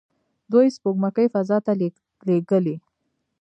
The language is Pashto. دوی سپوږمکۍ فضا ته لیږلي.